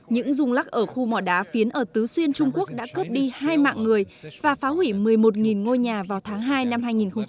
những rung lắc ở khu mỏ đá phiến ở tứ xuyên trung quốc đã cướp đi hai mạng người và phá hủy một mươi một ngôi nhà vào tháng hai năm hai nghìn hai mươi